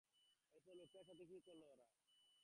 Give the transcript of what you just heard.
এরপর লোকটার সাথে কী করল ওরা?